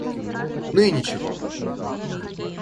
Ну и ничего.